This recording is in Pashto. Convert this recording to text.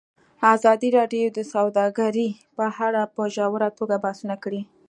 ازادي راډیو د سوداګري په اړه په ژوره توګه بحثونه کړي.